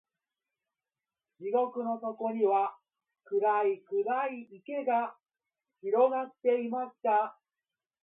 地獄の底には、暗い暗い池が広がっていました。